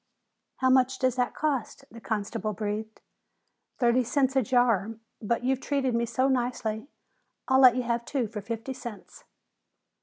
"How much does that cost?" the constable breathed. "Thirty cents a jar, but you've treated me so nicely, I'll let you have two for fifty cents."